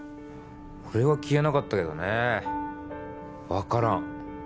俺は消えなかったけどね分からん